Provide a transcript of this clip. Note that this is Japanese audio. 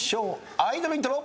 アイドルイントロ。